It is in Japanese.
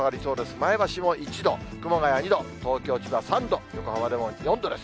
前橋も１度、熊谷２度、東京、千葉３度、横浜でも４度です。